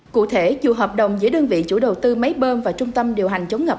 cụ thể dù hợp đồng giữa đơn vị chủ đầu tư máy bơm và trung tâm điều hành chống ngập